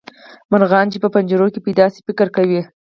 مرغان چې په پنجرو کې پیدا شي فکر کوي.